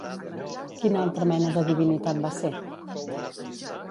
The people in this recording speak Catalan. Quina altra mena de divinitat va ser?